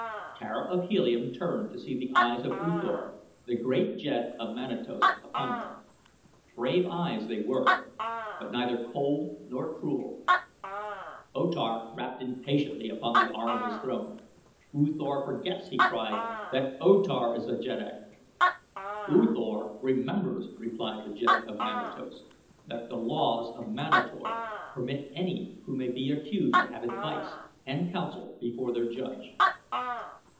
Tara of Helium turned to see the eyes of U Thor, the great jed of Manatos, upon her. Brave eyes they were, but neither cold nor cruel. O Tar rapped impatiently upon the arm of his throne. "U Thor forgets," he cried, "that O Tar is the jeddak." "U Thor remembers," replied the jed of Manatos, "that the laws of Manator permit any who may be accused to have advice and counsel before their judge."